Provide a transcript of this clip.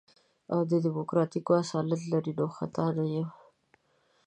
او ديموکراتيک اصالت لري نو خطا نه يم.